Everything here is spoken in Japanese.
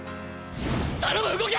頼む動け！